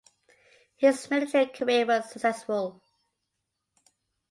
His military career was successful.